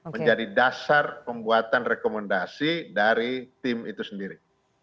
menjadi dasar pembuatan rekomendasi dari tim itu sendiri